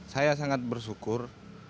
saya sangat bersyukur